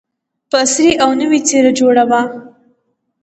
په عصري او نوې څېره جوړه وه.